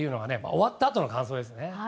終わったあとの感想ですね。